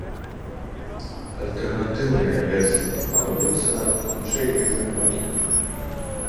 Альтэрнатыўныя версіі прапануюцца, хутчэй, як намёкі.